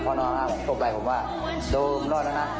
พ่อน้องน่าร่าบอกชบไลค์ผมว่าโร่มรอดน่ะนะ